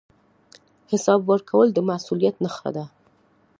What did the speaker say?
حساب ورکول د مسوولیت نښه ده